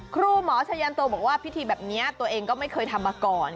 ครูหมอชายันโตบอกว่าพิธีแบบนี้ตัวเองก็ไม่เคยทำมาก่อน